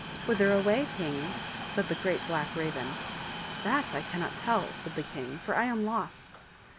" Whither away, king ? said the Great Black Raven. " That I cannot tell," said the king, " for I am lost."